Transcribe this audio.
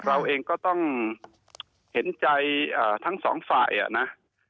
เราเองก็ต้องเห็นใจทั้งสองฝ่ายนะ